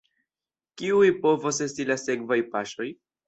Kiuj povos esti la sekvaj paŝoj?